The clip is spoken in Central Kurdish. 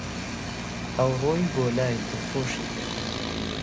ئەڕۆیی بۆلای دڵخۆشی ئەکرد